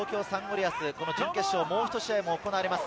リアスの準決勝のもう１試合が行われます。